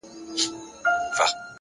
مهرباني د زړونو واټن لنډوي!